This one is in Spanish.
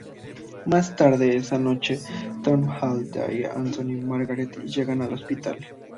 Más tarde esa noche, Tom, Hal, Dai, Anthony y Margaret llegan al hospital.